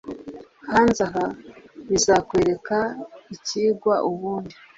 hanze aha bizakwereka icyigwa, ubundi